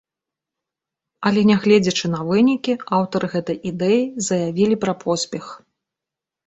Але нягледзячы на вынікі, аўтары гэтай ідэі заявілі пра поспех.